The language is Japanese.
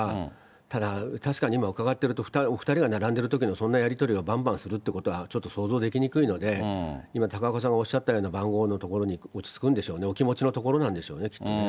ただ、確かに今、伺ってると、お２人が並んでるときにそんなやり取りをばんばんするっていうことは、ちょっと想像できにくいので、今、高岡さんがおっしゃったような番号のところに落ち着くんでしょうね、お気持ちのところなんでしょうね、きっとね。